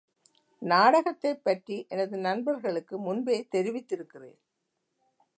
நாடகத்தைப் பற்றி எனது நண்பர்களுக்கு முன்பே தெரிவித்திருக்கிறேன்.